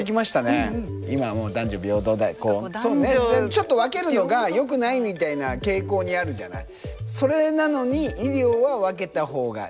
ちょっと分けるのがよくないみたいな傾向にあるじゃない？